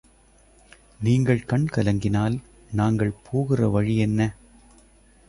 நீங்கள் கண் கலங்கினால், நாங்கள் போகிற வழி என்ன?